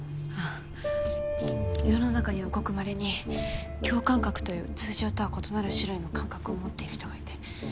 世の中にはごくまれに共感覚という通常とは異なる種類の感覚を持ってる人がいて。